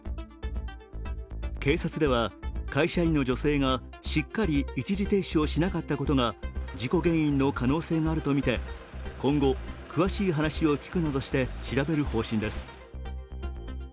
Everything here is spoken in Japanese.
警察では会社員の女性がしっかり一時停止をしなかったことが事故原因の可能性があるとみて今後、詳しい話を聴くなどして調べる方針です。